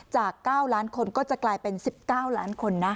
จาก๙ล้านคนก็จะกลายเป็น๑๙ล้านคนนะ